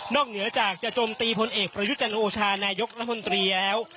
เหนือจากจะจมตีพลเอกประยุทธ์จันโอชานายกรัฐมนตรีแล้ว